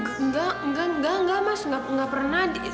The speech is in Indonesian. enggak enggak enggak mas nggak pernah